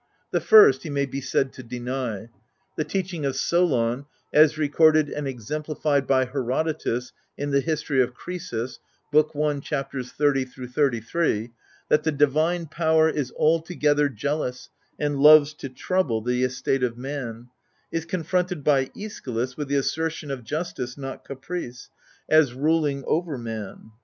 The first, he may be said to deny. The teaching of Solon, as recorded and exemplified by Herodotus in the history of Crcesus (Book i. ch. 30 33), "that the Divine Power is altogether jealous, and loves to trouble the estate of man," is confronted by iCschylus with the assertion of justice, not caprice, as ruling c xxii THE HOUSE OF ATREUS over man.